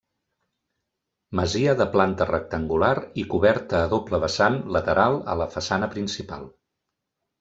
Masia de planta rectangular i coberta a doble vessant lateral a la façana principal.